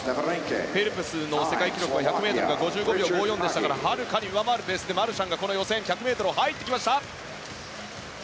フェルプスの世界記録は１００ｍが５５秒５４でしたからはるかに上回るペースでマルシャンが予選の１００ｍ入ってきました。